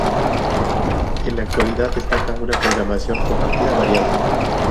En la actualidad destaca una programación compartida variada.